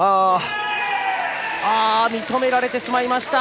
認められてしまいました！